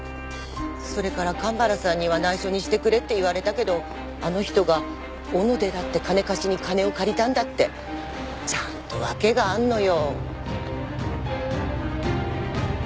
それから神原さんには内緒にしてくれって言われたけどあの人が小野寺って金貸しに金を借りたのだってちゃんと訳があるのよ。